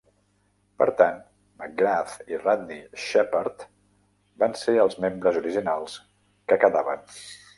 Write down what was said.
Per tant, McGrath i Rodney Sheppard van ser els membres originals que quedaven.